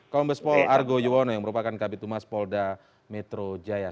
kombes pol argo yuwono yang merupakan kabit humas polda metro jaya